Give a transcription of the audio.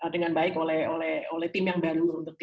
dengan baik oleh tim yang baru